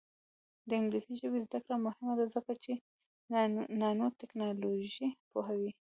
د انګلیسي ژبې زده کړه مهمه ده ځکه چې نانوټیکنالوژي پوهوي.